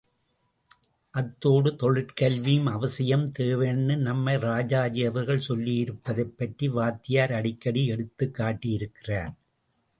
அத்தோடு தொழிற்கல்வியும் அவசியம் தேவைன்னு நம்ம ராஜாஜி அவர்கள் சொல்லியிருப்பதைப் பற்றி வாத்தியார் அடிக்கடி எடுத்துக் காட்டியிருக்கிறார்.